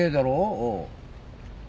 おう。